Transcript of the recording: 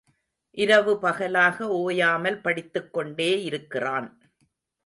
இரவு பகலாக ஓயாமல் படித்துக் கொண்டே இருக்கிறான்.